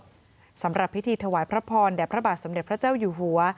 รับผิดชอบสำหรับพิธีถวายพระพรแดดพระบาทสำเร็จพระเจ้าอยู่หัว